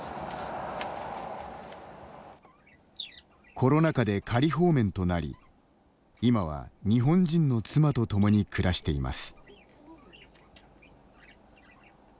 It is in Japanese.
コロナ禍で仮放免となり今は、日本人の妻と共に暮らしています。